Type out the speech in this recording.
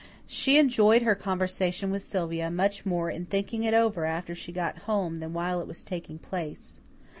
She enjoyed her conversation with Sylvia much more in thinking it over after she got home than while it was taking place.